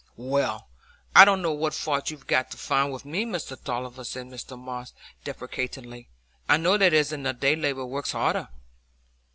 "Well, I don't know what fault you've got to find wi' me, Mr Tulliver," said Mr Moss, deprecatingly; "I know there isn't a day labourer works harder."